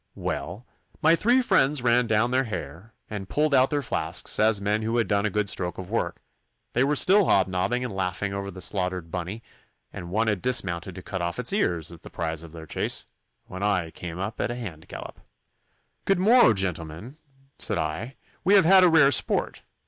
'Well, my three friends ran down their hare, and pulled out their flasks, as men who had done a good stroke of work. They were still hobnobbing and laughing over the slaughtered bunny, and one had dismounted to cut off its ears as the prize of their chase, when I came up at a hand gallop. "Good morrow, gentlemen," said I, "we have had rare sport."